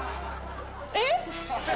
えっ？